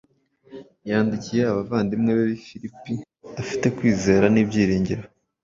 Yandikiye abavandimwe be b’i Filipi afite kwizera n’ibyiringiro